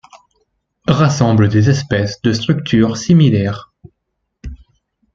Rassemble des espèces de structure similaire.